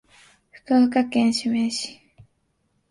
福岡県志免町